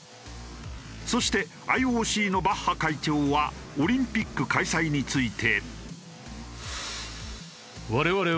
そしてＩＯＣのバッハ会長はオリンピック開催について。